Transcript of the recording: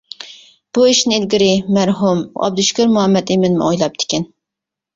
بۇ ئىشنى ئىلگىرى مەرھۇم ئابدۇشۈكۈر مۇھەممەتئىمىنمۇ ئويلاپتىكەن.